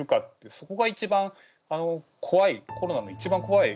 そこが一番怖いコロナの一番怖い部分だと